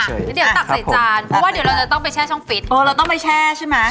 เดี๋ยวตักใส่จานเพราะว่าเดี๋ยวเราจะต้องไปแช่ช่องฟิตเราต้องไปแช่ใช่ไหม